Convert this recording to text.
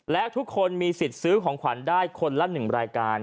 และทุกคนมีสิทธิ์ซื้อของขวัญได้คนละ๑รายการ